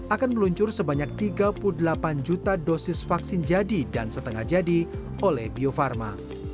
akan meluncur sebanyak tiga puluh delapan juta dosis vaksin jadi dan setengah jadi oleh bio farma